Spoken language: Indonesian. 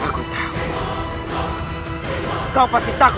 tidak saya akan menggantung ibu neratu